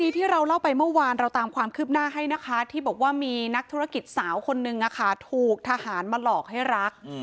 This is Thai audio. ที่เราเล่าไปเมื่อวานเราตามความคืบหน้าให้นะคะที่บอกว่ามีนักธุรกิจสาวคนนึงถูกทหารมาหลอกให้รัก